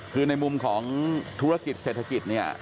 คือในมุมของธุรกิจเศรษฐกิจเนี่ย